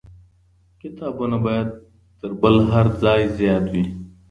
کتابتونونه بايد تر بل هر ځای زيات وي.